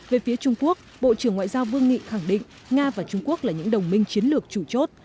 về phía trung quốc bộ trưởng ngoại giao vương nghị khẳng định nga và trung quốc là những đồng minh chiến lược chủ chốt